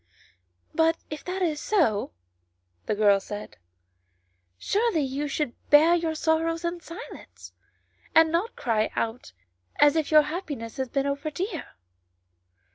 " But if that is so," the girl said, " surely you should bear your sorrows in silence, and not cry out as if your happiness had been over dear."